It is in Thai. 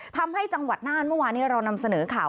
ทำให้จังหวัดน่านเมื่อวานนี้เรานำเสนอข่าว